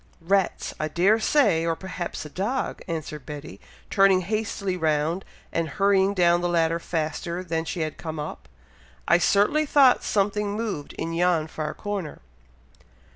"Rats, I dare say! or perhaps a dog!" answered Betty, turning hastily round, and hurrying down the ladder faster than she had come up. "I certainly thought something moved in yon far corner."